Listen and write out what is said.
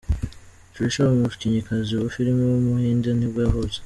Trisha, umukinnyikazi wa filime w’umuhinde nibwoyavutse.